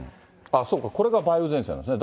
そうか、これが梅雨前線ですね、